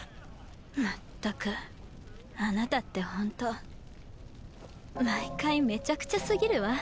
まったくあなたってほんと毎回めちゃくちゃすぎるわ。